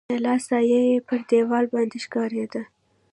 د لاس سایه يې پر دیوال باندي ښکارېده.